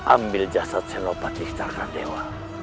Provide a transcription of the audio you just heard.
ambil jasad senopati secara dewa